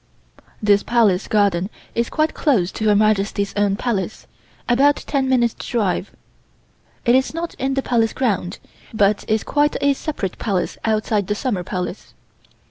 This Palace garden is quite close to Her Majesty's own Palace, about ten minutes' drive. It is not in the Palace ground, but is quite a separate Palace outside the Summer Palace.